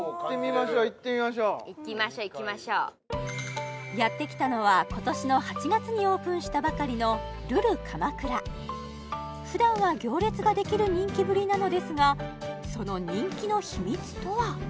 行ってみましょう行きましょう行きましょうやってきたのは今年の８月にオープンしたばかりの普段は行列ができる人気ぶりなのですがその人気の秘密とは？